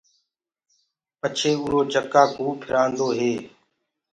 پڇي اُرو چڪآ ڪوُ ڦِرآندو هي۔